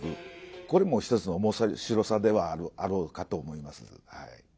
これも一つの面白さではあろうかと思います。